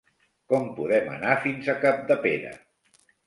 Com podem anar fins a Capdepera?